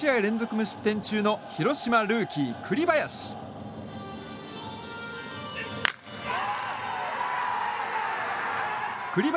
無失点中の広島ルーキー、栗林。